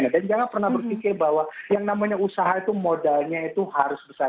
dan jangan pernah berpikir bahwa yang namanya usaha itu modalnya itu harus besar